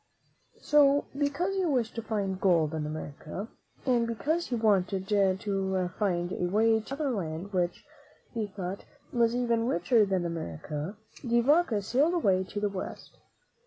So, because he wished to find gold in America and because he wanted to find a way to another land which, he thought, was even richer than America, De Vaca sailed away to the West.